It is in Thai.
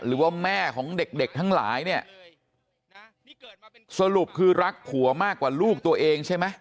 หรือว่าแม่ของเด็กเด็กทั้งหลายเนี่ยสรุปคือรักผัวมากกว่าลูกตัวเองใช่ไหม